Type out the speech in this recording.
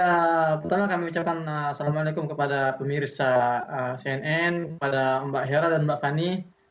ya pertama kami ucapkan assalamualaikum kepada pemirsa cnn kepada mbak hera dan mbak fani